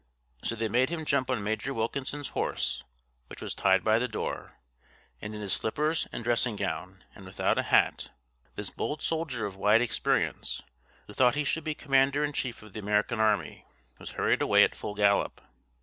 So they made him jump on Major Wilkinson's horse, which was tied by the door; and in his slippers and dressing gown, and without a hat, this bold soldier of wide experience, who thought he should be commander in chief of the American army, was hurried away at full gallop.